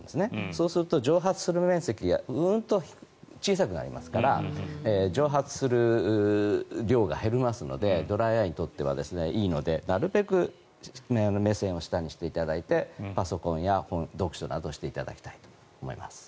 そうすると蒸発する面積がうんと小さくなりますから蒸発する量が減りますのでドライアイにとってはいいのでなるべく目線を下にしていただいてパソコンや読書などをしていただきたいと思います。